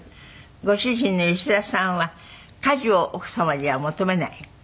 ご主人の吉田さんは家事を奥様には求めない？